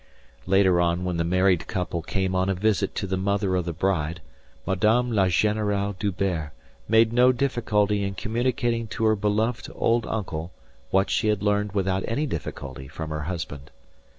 Later on when the married couple came on a visit to the mother of the bride, Madame la Générale D'Hubert made no difficulty in communicating to her beloved old uncle what she had learned without any difficulty from her husband.